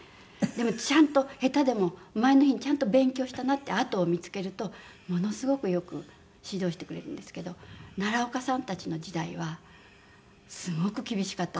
でもちゃんと下手でも前の日にちゃんと勉強したなって跡を見付けるとものすごくよく指導してくれるんですけど奈良岡さんたちの時代はすごく厳しかったと。